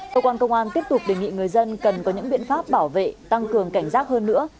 cơ quan công an tiếp tục đề nghị người dân cần có những biện pháp bảo vệ tăng cường cảnh giác hơn nữa